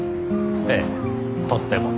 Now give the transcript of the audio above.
ええとっても。